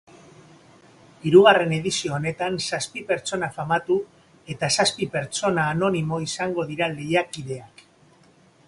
Hirugarren edizio honetan zazpi pertsona famatu eta zazpi pertsona anonimo izango dira lehiakideak.